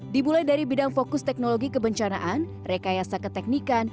dimulai dari bidang fokus teknologi kebencanaan rekayasa keteknikan